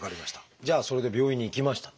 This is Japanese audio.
じゃあそれで病院に行きましたと。